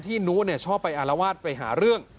นุชอบไปอารวาสไปหาเรื่อง